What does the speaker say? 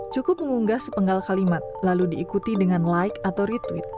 cukup mengunggah sepenggal kalimat lalu diikuti dengan like atau retweet